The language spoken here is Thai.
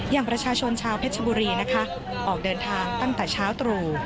อย่างประชาชนชาวเพชรบุรีนะคะออกเดินทางตั้งแต่เช้าตรู่